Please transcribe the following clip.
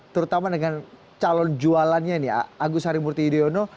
terutama dengan calon jualannya nih agus harimurti yudhoyono